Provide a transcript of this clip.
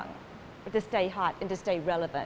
untuk tetap panas dan tetap relevan